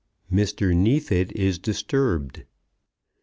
MR. NEEFIT IS DISTURBED.